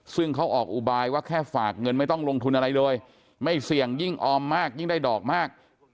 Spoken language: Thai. ซึ่งเขาออกอุบายว่าแค่ฝากเงินไม่ต้องลงทุนอะไรเลยไม่เสี่ยงยิ่งออมมากยิ่งได้ดอกมาก